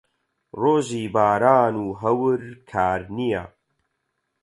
ڕۆژی باران و هەور کار نییە.